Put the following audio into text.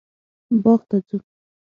باغ ته ځو